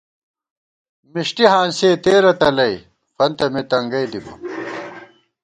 مݭٹی ہانسِئے تېرہ تلَئی فنتہ مے تنگَئ دِبہ